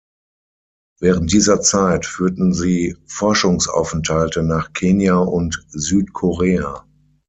Während dieser Zeit führten sie Forschungsaufenthalte nach Kenia und Südkorea.